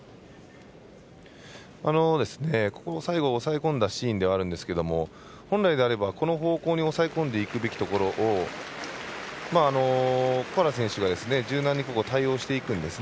最後、抑え込んだシーンではあるんですけど本来であればこの方向に抑え込んでいくべきところを小原選手が柔軟に対応していくんです。